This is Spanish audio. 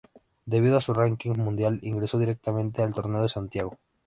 Debido a su ranking mundial ingresó directamente al Torneo de Santiago.